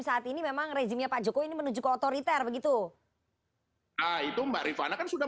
saat ini memang rezimnya pak jokowi ini menuju ke otoriter begitu itu mbak rifana kan sudah